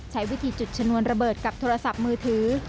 ใช้วิธีจุดชนวนระเบิดกับโทรศัพท์มือถือ